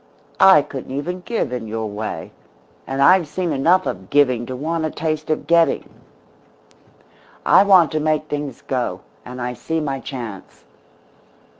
I couldn't even give in your way. And I've seen enough of giving to want a taste of getting. I want to make things go and I see my chance.